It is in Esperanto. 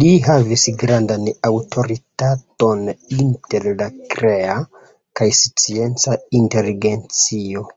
Li havis grandan aŭtoritaton inter la krea kaj scienca inteligencio.